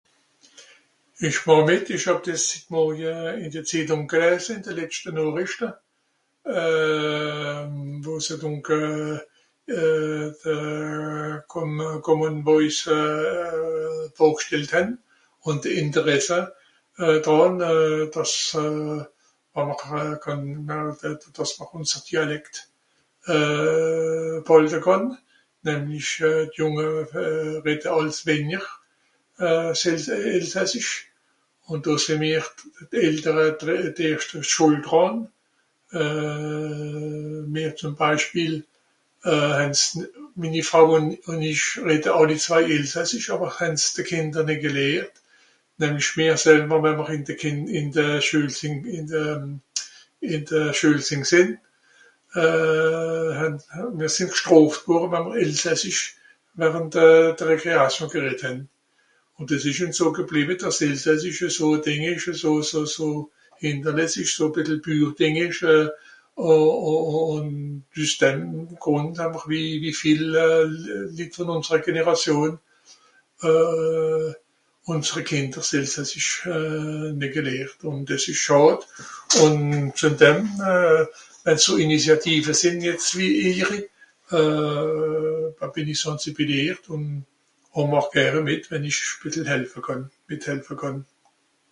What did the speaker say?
Ich màch mìt, ich hàb dìss hitt morje ìn de Zittung geläse, in de Letschte Nochrrìchte, euhm wo se donc euh euh euh de Comm euh Common Voice euh vorgstellt hän ùn de Ìnteresse dràn euh fer's euh àwer fer dàss mr unser Dialekt euh bhàlte kànn, nämlich euh d'junge redde àls wenier s Elsässische Elsässich ùn do sin mir Eltere d erschte d Schùld dràn euh mir zuem Beispiel euh hän s mini Frau un ìch redde àlli zwei Elsassisch àwer hän's de Kinder nìtt gelehrt, nämlich mir sälwer wenn mr in de Kin, in de Schuel sin, in de euhm, in de Schuel sin gsin, euh hän mr, mr sin gstrooft worre wenn mr Elsässich während de Récréation geredt hän. Un diss isch uns so gebliwwe dàss s Elsässische so e Ding isch, e so so so minderlässisch so bissel büür Ding isch euh ù ù ùn üss dem Grùnd ham'r wie viel vùn ùnsere Gerneràtion euh unsre Kinder s Elsässsiche nìtt gelehrt, ùn dìss ìsch Schàd, ùn zùe dem, wenn so Initiative sin jetzt wie ejeri euh ben bin i sensibiliert ùn màch gäre mìt wenn ich e bìssel helfe kànn, mithelfe kànn